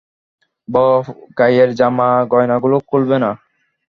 বউ গায়ের জামা-গয়নাগুলো খুলবে না?